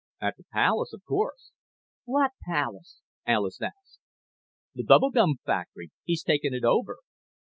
"At the palace, of course." "What palace?" Alis asked. "The bubble gum factory. He's taken it over."